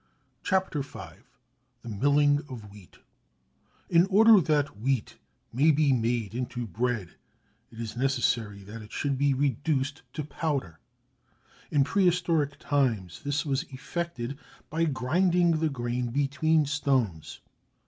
CHAPTER V THE MILLING OF WHEAT In order that wheat may be made into bread it is necessary that it should be reduced to powder. In prehistoric times this was effected by grinding the grain between stones.